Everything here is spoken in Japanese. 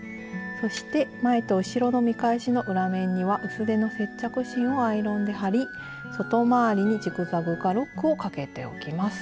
そして前と後ろの見返しの裏面には薄手の接着芯をアイロンで貼り外回りにジグザグかロックをかけておきます。